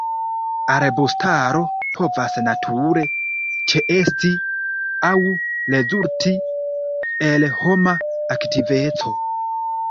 Arbustaro povas nature ĉeesti aŭ rezulti el homa aktiveco.